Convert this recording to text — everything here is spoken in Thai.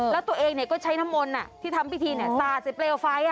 แล้วตัวเองเนี่ยก็ใช้น้ำมนที่ทำพิธีเนี่ยสาดเสียเปลวไฟ